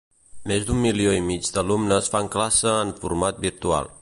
Més d'un milió i mig d'alumnes fan classe en format virtual.